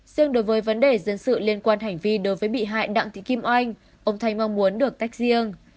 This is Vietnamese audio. riêng đối với vấn đề dân sự liên quan hành vi đối với bị hại đặng thị kim oanh ông thanh mong muốn được tách riêng